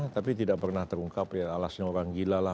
tapi tidak pernah terungkap ya alasnya orang gila lah